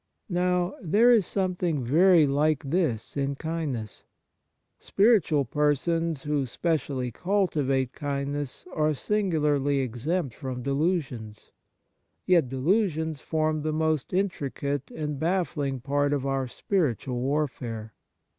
Now, there is something very like this in kindness. Spiritual persons who specially cultivate kindness are singularly exempt from delusions. Yet Kind Actions gg delusions form the most intricate and baffling part of our spiritual warfare.